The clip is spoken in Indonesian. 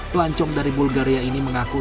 pelancong dari bulgaria ini mengaku